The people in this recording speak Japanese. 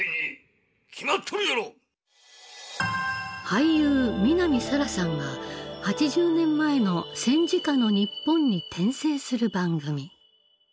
俳優南沙良さんが８０年前の戦時下の日本に転生する番組。